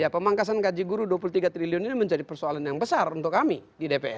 pemangkasan gaji guru dua puluh tiga triliun ini menjadi persoalan yang besar untuk kami di dpr